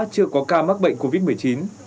chưa có ca mắc bệnh covid một mươi chín